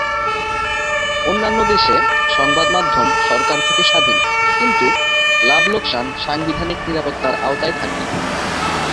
অন্যান্য দেশে, সংবাদ মাধ্যম সরকার থেকে স্বাধীন কিন্তু লাভ-লোকসান সাংবিধানিক নিরাপত্তার আওতায় থাকে।